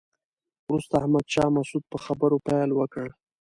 وروسته احمد شاه مسعود په خبرو پیل وکړ.